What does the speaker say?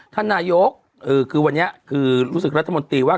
ท่านนายกคือวันนี้คือรู้สึกรัฐมนตรีว่า